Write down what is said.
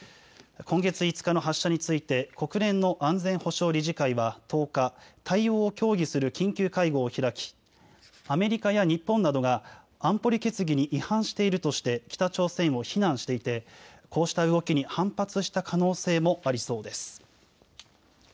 今月５日の発射について、国連の安全保障理事会は１０日、対応を協議する緊急会合を開き、アメリカや日本などが安保理決議に違反しているとして、北朝鮮を非難していて、こうした動きに反発した可能性もありそうです。